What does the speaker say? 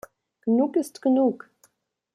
Genug ist genug!